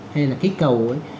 hay là kích cầu ấy